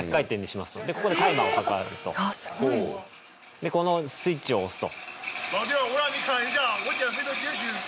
でこのスイッチを押すと。